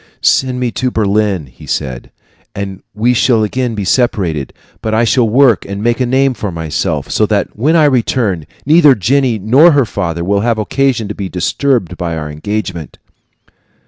"Send me to Berlin," he said, "and we shall again be separated; but I shall work and make a name for myself, so that when I return neither Jenny nor her father will have occasion to be disturbed by our engagement."